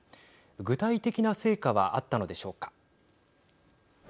具体的な成果はあったのでしょうか。